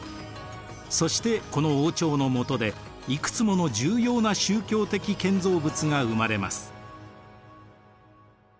そしてこの王朝の下でいくつもの重要な宗教的建造物が生まれます。